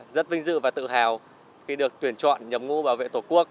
rất vinh dự và tự hào khi được tuyển chọn nhầm ngũ bảo vệ tổ quốc